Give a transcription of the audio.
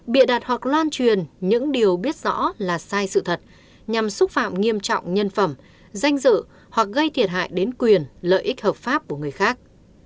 bịa đặt hoặc lan truyền những điều biết rõ là sai sự thật nhằm xúc phạm nghiêm trọng nhân phẩm danh dự hoặc gây thiệt hại đến quyền lợi ích hợp pháp của người khác